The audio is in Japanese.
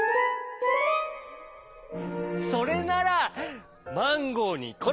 それならマンゴーにこれをあげる！